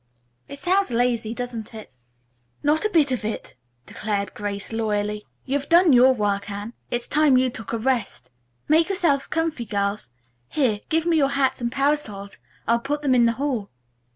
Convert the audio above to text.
It sounds lazy, doesn't it?" "Not a bit of it," declared Grace loyally. "You've done your work, Anne. It's time you took a rest. Make yourselves comfy, girls. Here, give me your hats and parasols. I'll put them in the hall."